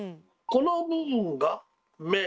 この部分が「目」